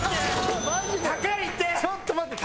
高いって！